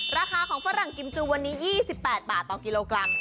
ราคาของฝรั่งกิมจูวันนี้๒๘บาทต่อกิโลกรัม